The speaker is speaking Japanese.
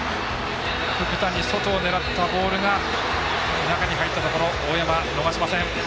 福谷、外を狙ったボールが中に入ったところ大山、逃しません。